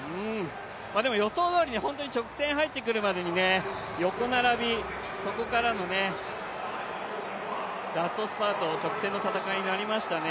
でも予想どおり、直線入ってくるまでに横並びそこからのラストスパート、直線の戦いになりましたね。